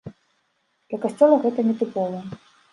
Для касцёла гэта не тыпова.